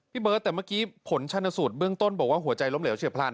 เบิร์ตแต่เมื่อกี้ผลชนสูตรเบื้องต้นบอกว่าหัวใจล้มเหลวเฉียบพลัน